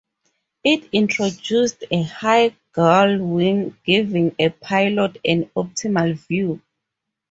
It introduced a high gull wing, giving a pilot an optimal view.